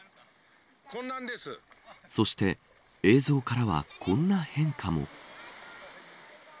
そして、映像からはこんな変化も。